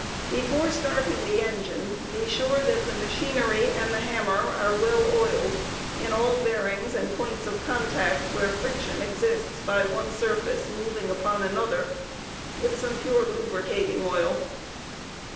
Before starting the engine, be sure that the machinery and the hammer are oiling, well oiled in all bearings and points of contact where friction exists bygone surface moving upon another with some pure lubricating oil.